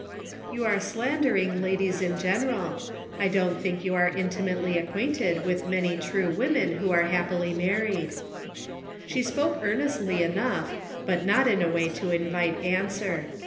" You are slandering ladies in general. I don't think you are intimatel}' acquainted with many true women who are happily married." She spoke earnestly enough, but not in a way to invite answer.